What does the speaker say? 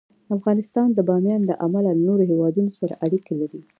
افغانستان د بامیان له امله له نورو هېوادونو سره اړیکې لري.